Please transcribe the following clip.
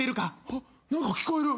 あっ何か聞こえる。